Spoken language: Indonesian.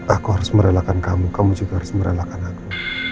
aku harus merelakan kamu kamu juga harus merelakan aku